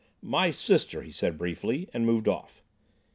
"My sister," he said briefly, and moved off.